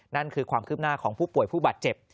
นั่นคือความคืบหน้าของผู้ป่วยผู้บาดเจ็บ